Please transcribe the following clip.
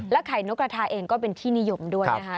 ไข่นกกระทาเองก็เป็นที่นิยมด้วยนะคะ